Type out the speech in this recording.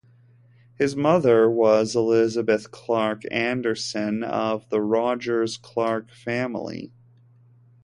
His mother was Elizabeth Clark Anderson, of the Rogers Clark family.